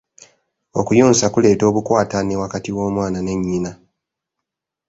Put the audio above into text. Okuyonsa kuleeta obukwatane wakati w'omwana ne nnyina.